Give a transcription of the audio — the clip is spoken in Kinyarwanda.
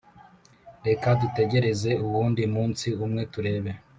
reka dutegereze uwundi munsi umwe turebe